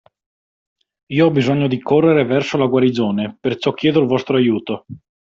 Io ho bisogno di correre verso la guarigione perciò chiedo il vostro aiuto.